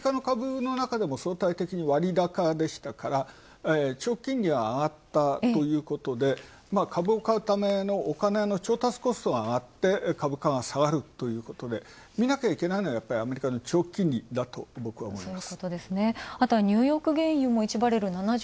アメリカのかぶのなかでも相対的に割高でしたから長期金利はあがったということで株を買うためのお金の調達コストがあがって株価が下がるということで、見なきゃいけないのはアメリカの長期金利だと僕は思います。